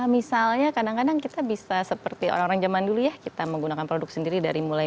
misalnya kadang kadang kita bisa seperti orang orang zaman dulu ya kita menggunakan produk sendiri dari mulai